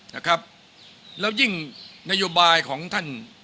นะครับแล้วยิ่งนโยบายของท่าน